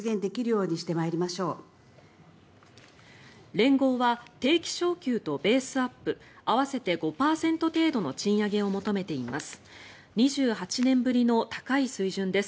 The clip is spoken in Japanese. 連合は定期昇給とベースアップ合わせて５％程度の賃上げを求めています。